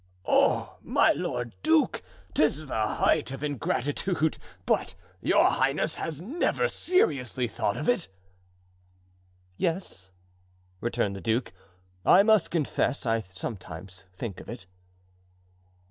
"Oh! my lord duke, 'tis the height of ingratitude; but your highness has never seriously thought of it?" "Yes," returned the duke, "I must confess I sometimes think of it."